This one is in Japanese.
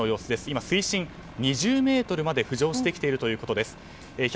今、水深２０ｍまで浮上してきているということです。